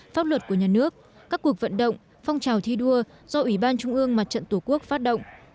pháp luật của nhà nước các cuộc vận động phong trào thi đua do ủy ban trung ương mặt trận tổ quốc phát động